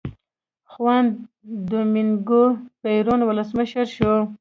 خوان دومینګو پېرون ولسمشر شو.